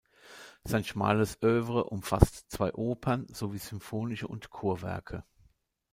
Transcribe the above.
Sein schmales Œuvre umfasst zwei Opern sowie sinfonische und Chorwerke.